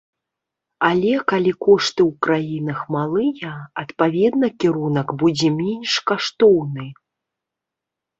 Але калі кошты ў краінах малыя, адпаведна кірунак будзе менш каштоўны.